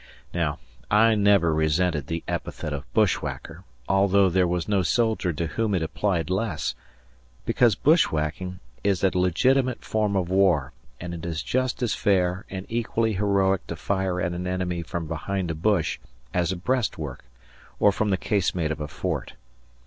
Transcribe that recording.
Now I never resented the epithet of "bushwhacker" although there was no soldier to whom it applied less because bushwhacking is a legitimate form of war, and it is just as fair and equally heroic to fire at an enemy from behind a bush as a breastwork or from the casemate of a fort.